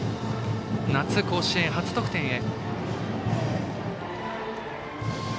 夏甲子園、初得点へ。